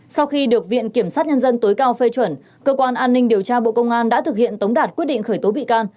sau khi được viện kiểm sát nhân dân tối cao phê chuẩn cơ quan an ninh điều tra bộ công an đã thực hiện tống đạt quyết định khởi tố bị can